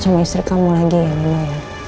nggak mau ribet sama istri kamu lagi ya nino